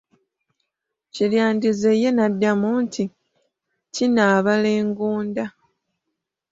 Kirandize ye n'addamu nti kinaabala engunda.